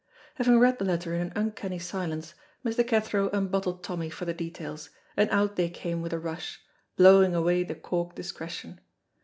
Having read the letter in an uncanny silence, Mr. Cathro unbottled Tommy for the details, and out they came with a rush, blowing away the cork discretion.